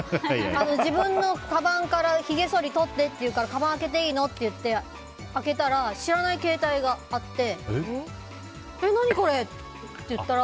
自分のかばんからひげ剃り取ってって言うからかばん開けていいのって言って開けたら知らない携帯があって。